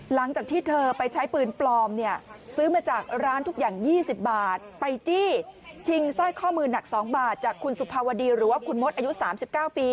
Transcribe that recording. หลังจากที่เธอไปใช้ปืนปลอมเนี่ยซื้อมาจากร้านทุกอย่าง๒๐บาทไปจี้ชิงสร้อยข้อมือหนัก๒บาทจากคุณสุภาวดีหรือว่าคุณมดอายุ๓๙ปี